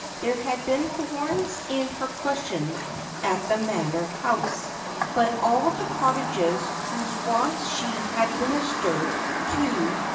There had been thorns in her cn diioii 'it the Mauor House ; bus a. I the cottag. vs wuv e wants she had ministered to l.